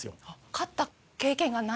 勝った経験がない？